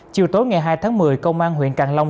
chiều tối ngày hai tháng một mươi công an huyện càng long